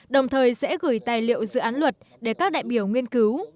đồng thời sẽ gửi tài liệu dự án luật để các đại biểu nghiên cứu